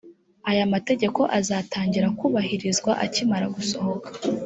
aya mategeko azatangira kubahirizwa akimara gusohoka